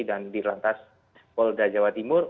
dan di lantas polda jawa timur